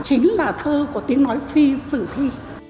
chính là thơ của tiếng nói phi sử thi